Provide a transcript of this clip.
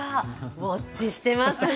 ウォッチしてますね。